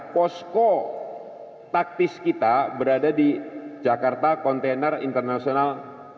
posko taktis kita berada di jakarta container international